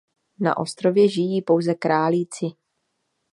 Na ostrově žijí pouze králíci.